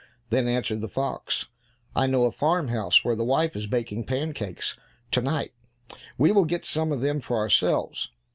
Then answered the fox, "I know a farm house where the wife is baking pancakes to night; we will get some of them for ourselves."